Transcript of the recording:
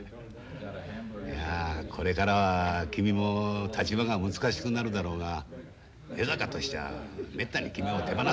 いやこれからは君も立場が難しくなるだろうが江坂としちゃあめったに君を手放さないよ。